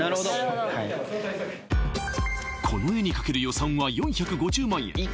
この絵にかける予算は４５０万円